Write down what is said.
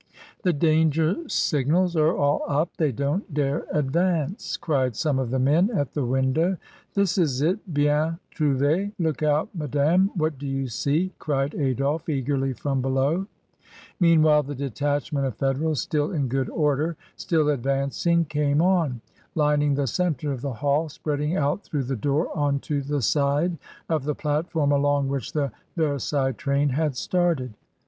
"The danger signals are all up. They don't dare advance!" cried some of the men at the window. "That is it, bien irouvi. Look out, madame. What do you see?" cried Adolphe eagerly from below. Meanwhile the detachment of Federals, still in good order, still advancing, came on, lining the centre of the hall, spreading out through the door on to the side of the platform along which the Ver sailles train had started.